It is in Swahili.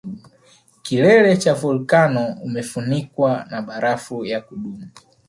Kilele cha volkano umefunikwa na barafu ya kudumu